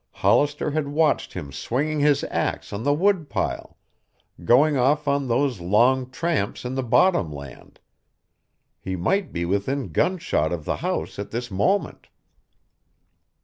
Hollister had watched him swinging his ax on the woodpile, going off on those long tramps in the bottom land. He might be within gunshot of the house at this moment.